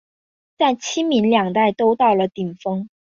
在清民两代都到了顶峰。